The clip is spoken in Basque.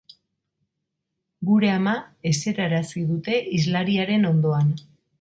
Gure ama eserarazi dute hizlariaren ondoan.